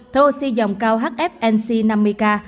thở oxy dòng cao hfnc năm mươi ca